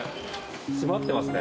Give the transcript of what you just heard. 閉まってますね。